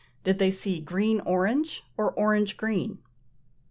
did they see green orange, or orange green?